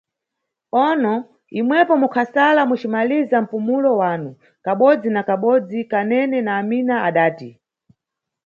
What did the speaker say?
Ono, imwepo munkasala mucimaliza mpumulo wanu, kabodzi na kabodzi Kanene na Amina adati